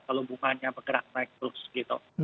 kalau bunganya bergerak naik terus gitu